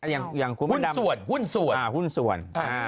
อย่างหุ้นส่วน